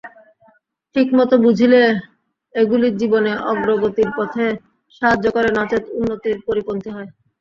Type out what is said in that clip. ঠিকমত বুঝিলে এগুলি জীবনে অগ্রগতির পথে সাহায্য করে, নচেৎ উন্নতির পরিপন্থী হয়।